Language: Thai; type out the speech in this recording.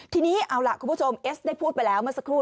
ทีนี้เอาล่ะคุณผู้ชมเอสได้พูดไปแล้วเมื่อสักครู่